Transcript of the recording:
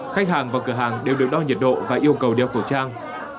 khách hàng và cửa hàng đều được đo nhiệt độ và yêu cầu đeo khẩu trang